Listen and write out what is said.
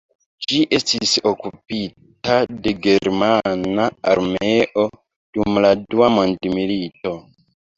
Ĝi estis okupita de Germana armeo dum la Dua mondmilito.